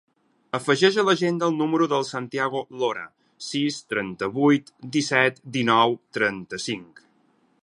Afegeix a l'agenda el número del Santiago Lora: sis, trenta-vuit, disset, dinou, trenta-cinc.